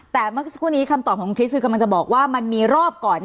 แต่เมื่อสักครู่นี้คำตอบของคุณคริสคือกำลังจะบอกว่ามันมีรอบก่อน